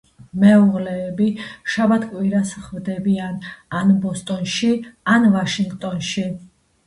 მეუღლეები შაბათ-კვირას ხვდებიან ან ბოსტონში, ან ვაშინგტონში.